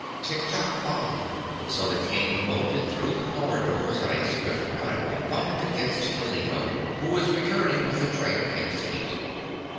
Tiktok followed, so the King bolted through the corridors on a swift run and bumped against Kaliko, who was returning with a tray of things to eat.